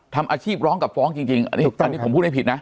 ทำอาชีพร้องกับฟ้องจริงอันนี้ผมพูดไม่ผิดนะ